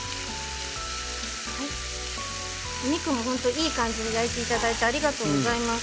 お肉も本当にいい感じに焼いていただいてありがとうございます。